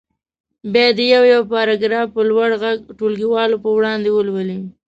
بیا دې یو یو پاراګراف په لوړ غږ ټولګیوالو په وړاندې ولولي.